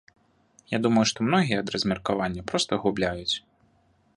Я думаю, што многія ад размеркавання проста губляюць.